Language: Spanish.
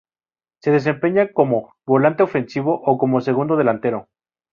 Se desempeña como volante ofensivo o como segundo delantero.